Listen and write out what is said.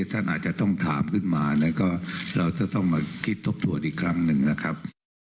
อีกครั้งหนึ่งนะครับ